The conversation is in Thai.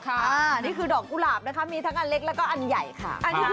นี่คือดอกกุหลาบนะคะมีทั้งอันเล็กแล้วก็อันใหญ่ค่ะ